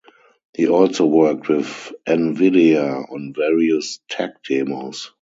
He also worked with Nvidia on various techdemos.